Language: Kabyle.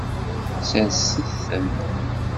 Serset-ten.